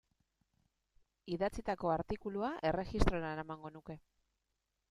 Idatzitako artikulua erregistrora eramango nuke.